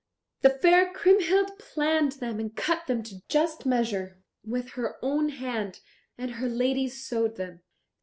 The fair Kriemhild planned them and cut them to just measure with her own hand and her ladies sewed them.